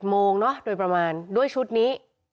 โมงเนอะโดยประมาณด้วยชุดนี้